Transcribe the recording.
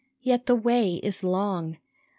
Yet the way is long !